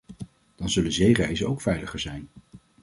Dan zullen zeereizen ook veiliger zijn".